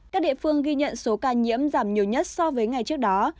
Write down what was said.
các địa phương ghi nhận số ca nhiễm giảm nhiều nhất so với ngày trước đó